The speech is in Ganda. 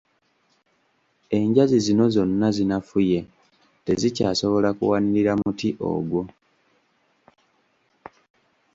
Enjazi zino zonna zinafuye tezikyasobola kuwanirira muti ogwo.